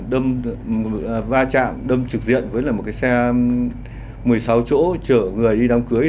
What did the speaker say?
đâm va chạm đâm trực diện với lại một cái xe một mươi sáu chỗ chở người đi đám cưới